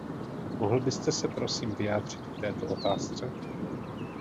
Mohl byste se, prosím, vyjádřit k této otázce?